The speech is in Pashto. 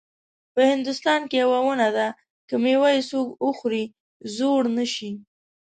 په هندوستان کې یوه ونه ده که میوه یې څوک وخوري زوړ نه شي.